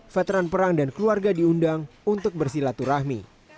veteran perang dan keluarga diundang untuk bersilaturahmi